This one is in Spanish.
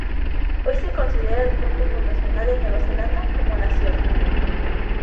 Hoy se considera el punto fundacional de Nueva Zelanda como nación.